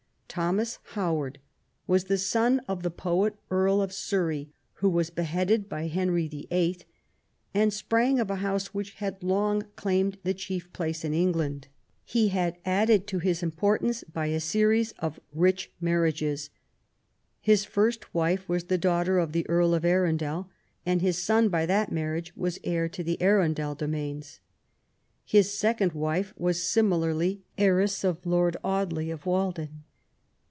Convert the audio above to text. Thomas Howard was the son of the poet Earl of Surrey, who was beheaded by Henry VHI., and sprang of a house which had long claimed the chief place in England. He had added to his importance by a series of rich marriages. His first wife was the daughter of the Earl of Arundel, and his son by that marriage was heir to the Arundel domains. His second wife was similarly heiress of Lord Audley of Walden.